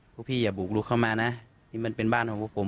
พวกพี่อย่าบุกลุกเข้ามานะนี่มันเป็นบ้านของพวกผม